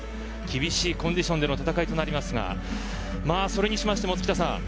厳しいコンディションでの戦いとなりますがそれにしましても附田さん